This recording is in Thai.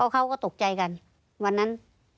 เขาก็ตกใจกันวันนั้น